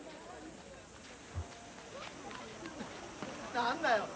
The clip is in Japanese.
何だよ。